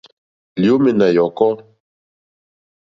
Lyǒmɛ̀ nà yɔ̀kɔ́.